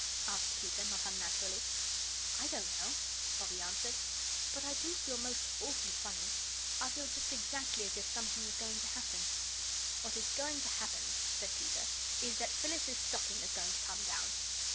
asked Peter, not unnaturally. "I don't know," Bobbie answered, "but I do feel most awfully funny. I feel just exactly as if something was going to happen." "What is going to happen," said Peter, "is that Phyllis's stocking is going to come down."